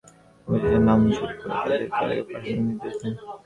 শুনানি শেষে বিচারক জামিন আবদেন নামঞ্জুর করে তাঁদের কারাগারে পাঠানোর নির্দেশ দেন।